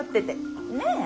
ねえ？